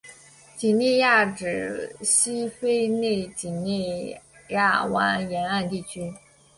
几内亚指西非几内亚湾沿岸地区。